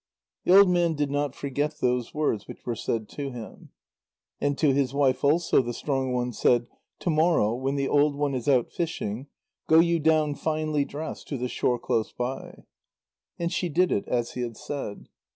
The old man did not forget those words which were said to him. And to his wife also, the strong one said: "To morrow, when the old one is out fishing, go you down finely dressed, to the shore close by." And she did it as he had said.